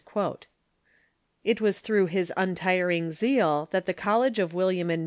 It was through his untiring zeal that the College of William and .